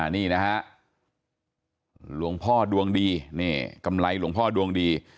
นี่นะฮะหลวงพ่อดวงดีนี่กำไรหลวงพ่อดวงดี